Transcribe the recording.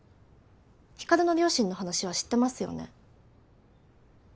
光琉の両親の話は知ってますよね？